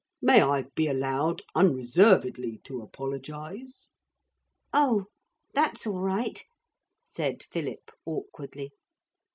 May I be allowed unreservedly to apologise?' 'Oh, that's all right,' said Philip awkwardly.